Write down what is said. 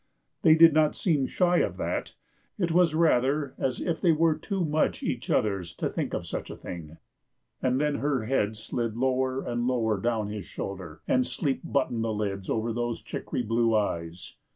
They did not seem shy of that; it was rather as if they were too much each other's to think of such a thing. And then her head slid lower and lower down his shoulder, and sleep buttoned the lids over those chicory blue eyes.